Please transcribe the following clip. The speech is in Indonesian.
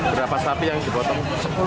berapa sapi yang dibotong